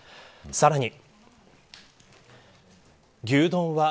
さらに。